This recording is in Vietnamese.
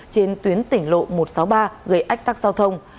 trên tuyến tỉnh lộ một trăm sáu mươi ba gây ách tắc giao thông